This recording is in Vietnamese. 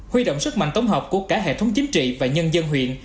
huy động sức mạnh tổng hợp của cả hệ thống chính trị và nhân dân huyện